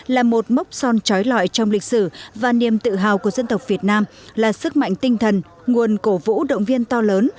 là một mốc son trói lọi trong lịch sử và niềm tự hào của dân tộc việt nam là sức mạnh tinh thần nguồn cổ vũ động viên to lớn